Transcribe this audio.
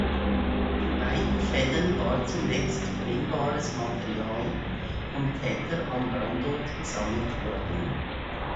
In beiden Fällen war zunächst brennbares Material vom Täter am Brandort gesammelt worden.